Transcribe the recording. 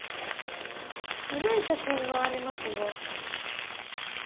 古い写真がありますね。